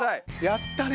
やったね